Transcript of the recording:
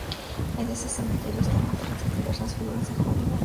En este cementerio están enterradas diversas figuras de Hollywood.